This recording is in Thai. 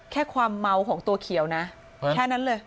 ความเมาของตัวเขียวนะแค่นั้นเลย